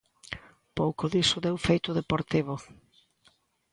Pouco diso deu feito o Deportivo.